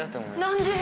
何で？